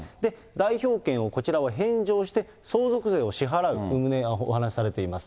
代表権をこちらは返上して、相続税を支払う旨、お話をされています。